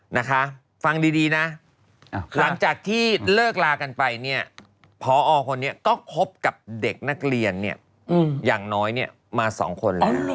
นะคะฟังดีนะหลังจากที่เลิกลากันไปเนี่ยพอคนนี้ก็คบกับเด็กนักเรียนเนี่ยอย่างน้อยเนี่ยมาสองคนแล้ว